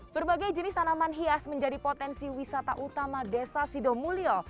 berbagai jenis tanaman hias menjadi potensi wisata utama desa sidomulyo